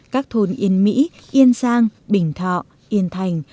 các thôn yên mỹ yên giang bình thọ yên thành